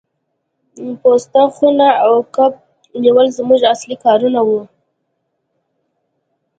پوسته خونه او کب نیول زموږ اصلي کارونه وو